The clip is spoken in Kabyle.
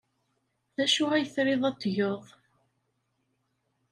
D acu ay triḍ ad t-tgeḍ?